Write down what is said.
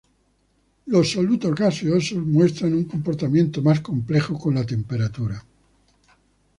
Los solutos gaseosos muestran un comportamiento más complejo con la temperatura.